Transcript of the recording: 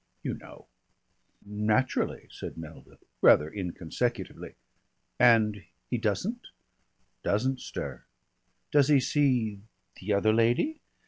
You know." "Naturally," said Melville, rather inconsecutively. "And he doesn't?" "Doesn't stir." "Does he see the other lady?"